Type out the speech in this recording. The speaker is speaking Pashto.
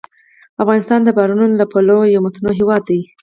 افغانستان د بارانونو له پلوه یو متنوع هېواد دی.